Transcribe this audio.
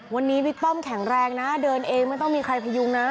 วันนี้บิ๊กป้อมแข็งแรงนะเดินเองไม่ต้องมีใครพยุงนะ